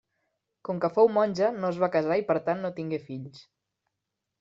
Com que fou monja no es va casar i per tant no tingué fills.